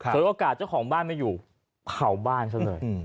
เคยโอกาสจะของบ้านไม่อยู่เภาบ้านเขาเลย